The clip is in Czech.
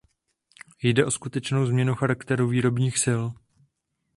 Jde o skutečnou změnu charakteru výrobních sil.